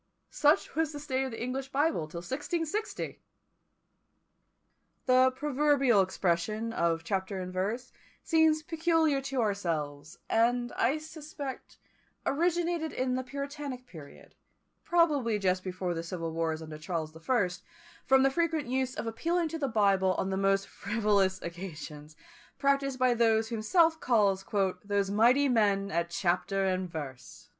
Such was the state of the English Bible till 1660! The proverbial expression of chapter and verse seems peculiar to ourselves, and, I suspect, originated in the puritanic period, probably just before the civil wars under Charles the First, from the frequent use of appealing to the Bible on the most frivolous occasions, practised by those whom South calls "those mighty men at chapter and verse."